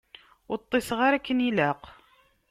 Ur ṭṭiseɣ ara akken ilaq.